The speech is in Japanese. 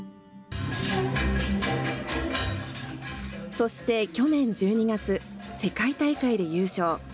そして去年１２月、世界大会で優勝。